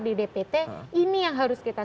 di dpt ini yang harus kita